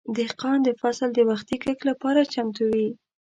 دهقان د فصل د وختي کښت لپاره چمتو وي.